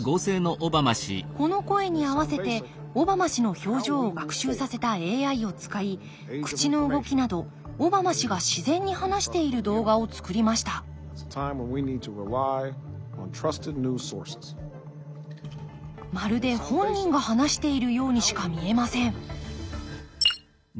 この声に合わせてオバマ氏の表情を学習させたＡＩを使い口の動きなどオバマ氏が自然に話している動画をつくりましたまるで本人が話しているようにしか見えません